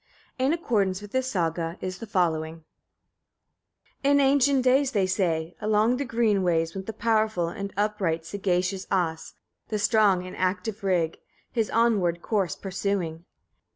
In accordance with this Saga is the following: 1. In ancient days, they say, along the green ways went the powerful and upright sagacious As, the strong and active Rig, his onward course pursuing.